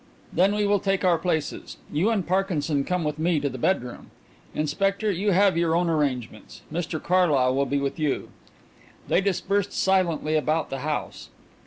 "Then we will take our places. You and Parkinson come with me to the bedroom. Inspector, you have your own arrangements. Mr Carlyle will be with you." They dispersed silently about the house.